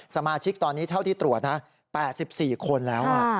สมาชิกตอนนี้เท่าที่ตรวจนะ๘๔คนแล้ว